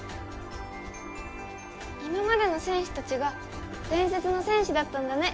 今までの戦士たちが伝説の戦士だったんだね。